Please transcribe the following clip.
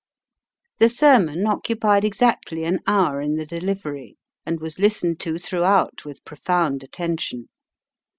The sermon occupied exactly an hour in the delivery, and was listened to throughout with profound attention.